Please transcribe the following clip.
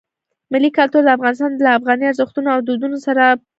ملي کلتور د افغانستان له افغاني ارزښتونو او دودونو سره پوره تړاو لري.